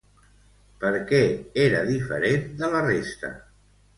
Per què era diferent de la resta?